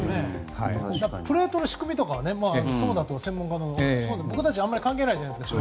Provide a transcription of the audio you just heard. プレートの仕組みとかはお話聞いてそうだと思うんですけど僕たちはあまり関係ないじゃないですか。